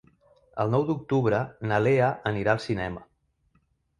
El nou d'octubre na Lea anirà al cinema.